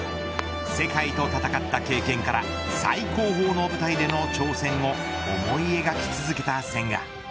世界と戦った経験から最高峰の舞台での挑戦を思い描き続けた千賀。